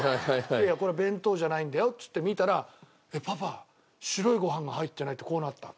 「いやこれ弁当じゃないんだよ」っつって見たら「パパ白いご飯が入ってない」ってこうなったわけ。